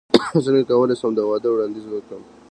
څنګه کولی شم د واده وړاندیز وکړم